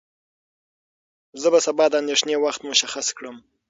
زه به سبا د اندېښنې وخت مشخص کړم.